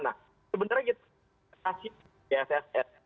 nah sebenarnya kita kasih bssn